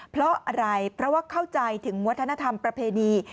เพราะอะไรเพราะว่าเข้าใจถึงวัฒนธรรมประเพณี